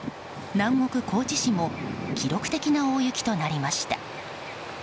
南国、高知市も記録的な大雪となりました。